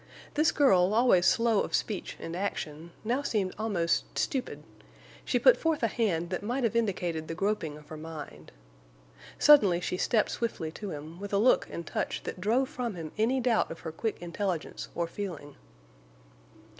This girl, always slow of speech and action, now seemed almost stupid. She put forth a hand that might have indicated the groping of her mind. Suddenly she stepped swiftly to him, with a look and touch that drove from him any doubt of her quick intelligence or feeling.